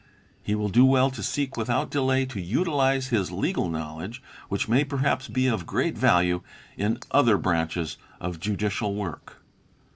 He will do well to seek without delay to utilize his legal knowlédge, which may perhaps be of great value, in other branches of judicial work.